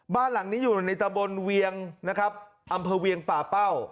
บ้านหลังนี้อยู่ในตะบนเวียงนะครับอำเภอเวียงป่าเป้า